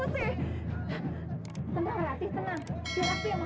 tidak tidak tidak